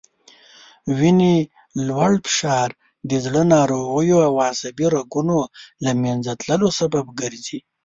وینې لوړ فشار د زړه ناروغیو او عصبي رګونو له منځه تللو سبب ګرځي